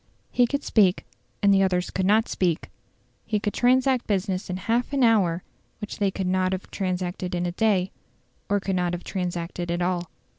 He could speak, and the others could not speak. He could transact business in half an hour which they could not have transacted in a day, or could not have transacted at all.